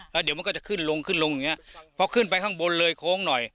แล้วเดี๋ยวมันก็จะขึ้นลงขึ้นลงอย่างเงี้ยพอขึ้นไปข้างบนเลยโค้งหน่อย